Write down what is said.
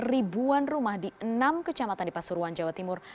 ribuan rumah di enam kecamatan di pasuruan jawa timur